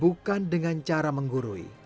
bukan dengan cara menggurui